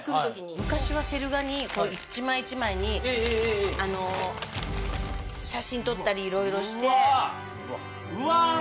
昔はセル画に１枚１枚に写真撮ったりいろいろして・うわ！